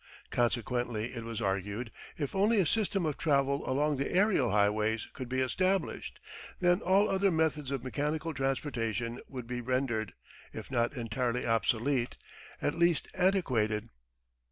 Consequently it was argued, if only a system of travel along the aerial highways could be established, then all other methods of mechanical transportation would be rendered, if not entirely obsolete, at least antiquated.